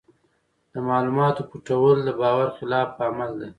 د معلوماتو پټول د باور خلاف عمل دی.